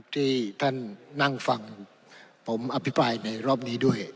ที่ท่านนั่งฟังผมอภิปรายในรอบนี้ด้วย